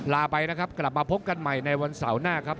ลาไปนะครับกลับมาพบกันใหม่ในวันเสาร์หน้าครับ